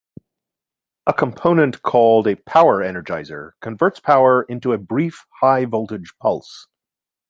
A component called a power energizer converts power into a brief high voltage pulse.